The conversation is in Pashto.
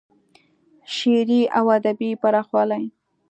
شعري او ادبي پراخوالی